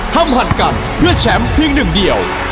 หัดกันเพื่อแชมป์เพียงหนึ่งเดียว